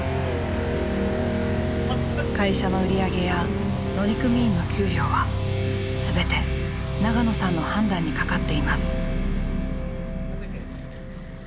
会社の売り上げや乗組員の給料は全て長野さんの判断にかかっています。